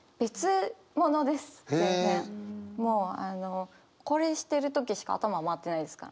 もうあのこれしてる時しか頭回ってないですから。